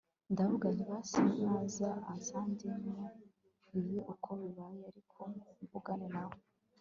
ndavuga nti basi naza ansange mo, bibe uko bibaye ariko mvugane nawe